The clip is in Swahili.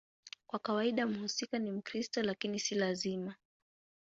Kwa kawaida mhusika ni Mkristo, lakini si lazima.